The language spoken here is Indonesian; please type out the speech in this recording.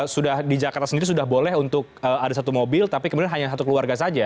sudah di jakarta sendiri sudah boleh untuk ada satu mobil tapi kemudian hanya satu keluarga saja ya